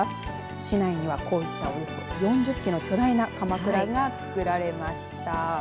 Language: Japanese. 市内には、こういったおよそ４０基の巨大なかまくらが作られました。